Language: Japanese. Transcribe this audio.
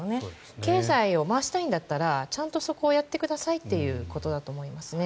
経済を回したいんだったらちゃんとそこをやってくださいということだと思いますね。